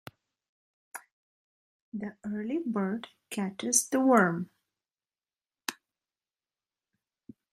The early bird catches the worm.